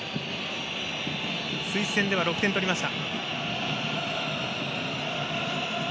スイス戦では６点取りました。